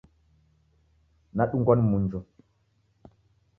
Nadungwa ni mnjwa